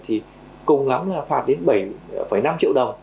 thì cùng lắm là phạt đến bảy năm triệu đồng